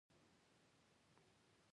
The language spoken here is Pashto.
دا کور لوی انګړ لري.